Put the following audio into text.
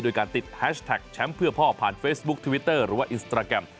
โดยการติดแฮชแท็กแชมป์เพื่อพ่อผ่านเฟซบุ๊คทวิตเตอร์หรือว่าอินสตราแกรม